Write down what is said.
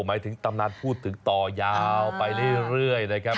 หมายถึงตำนานพูดถึงต่อยาวไปเรื่อยนะครับ